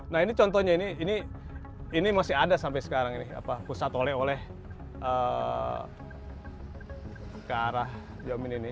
nah ini contohnya ini masih ada sampai sekarang ini pusat oleh oleh ke arah jamin ini